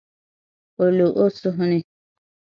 O lo o suhu ni.